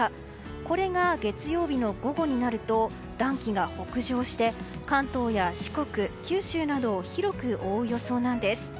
これが月曜日の午後になると暖気が北上して関東や四国、九州などを広く覆う予想なんです。